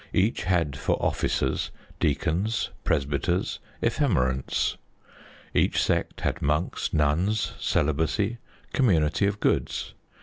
Each had for officers, deacons, presbyters, ephemerents. Each sect had monks, nuns, celibacy, community of goods.